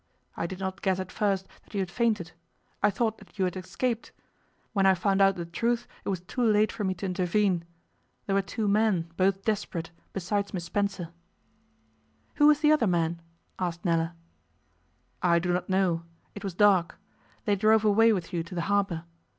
I did not guess at first that you had fainted. I thought that you had escaped. When I found out the truth it was too late for me to intervene. There were two men, both desperate, besides Miss Spencer ' 'Who was the other man?' asked Nella. 'I do not know. It was dark. They drove away with you to the harbour.